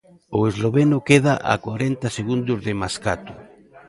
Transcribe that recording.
O esloveno queda a corenta segundos de Mascato.